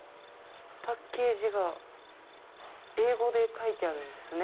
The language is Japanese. パッケージが英語で書いてあるんですね。